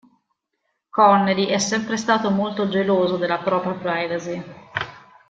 Connery è sempre stato molto geloso della propria privacy.